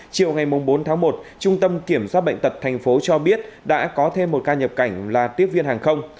triệu ngày bốn tháng một trung tâm kiểm soát bệnh tật tp hcm cho biết đã có thêm một ca nhập cảnh là tiết viên hàng không